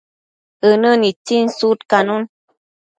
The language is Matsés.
ënë nitsin sudcanun